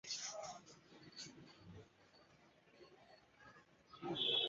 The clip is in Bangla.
তিনি তাঁদের নিকট থেকে বিভিন্ন পুস্তক রচনার প্রেরণা পান।